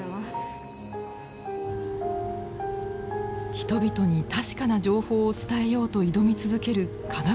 人々に確かな情報を伝えようと挑み続ける科学者たち。